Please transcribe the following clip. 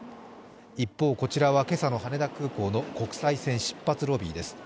一方、こちらは今朝の羽田空港の国際線出発ロビーです。